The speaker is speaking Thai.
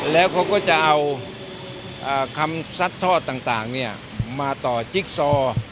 แล้วเขาก็จะเอาคำซัดทอดต่างมาต่อจิ๊กซอ